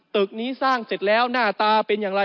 ตึกนี้สร้างเสร็จแล้วหน้าตาเป็นอย่างไร